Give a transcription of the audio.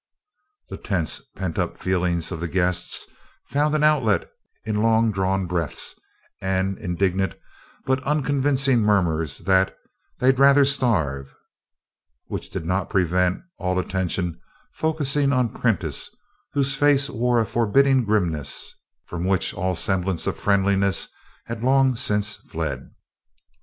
The tense and pent up feelings of the guests found an outlet in long drawn breaths and indignant but unconvincing murmurs that "they'd rather starve," which did not prevent all attention focusing upon Prentiss, whose face wore a forbidding grimness from which all semblance of friendliness had long since fled.